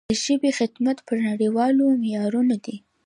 د ژبې خدمت په نړیوالو معیارونو دی.